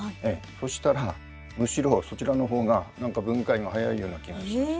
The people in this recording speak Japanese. そしたらむしろそちらの方が何か分解が早いような気がしましたね。